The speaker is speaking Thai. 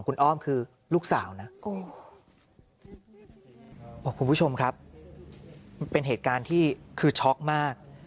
คุณผู้ชมครับเป็นเหตุการณ์ที่คือช็อคมาก